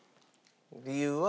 理由は。